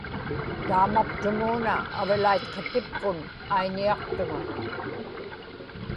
taamaptumuuna avilaitqatipkun aiñiaqtuŋa